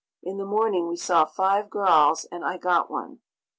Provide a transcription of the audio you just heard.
In the morning we saw five gorals and I got one.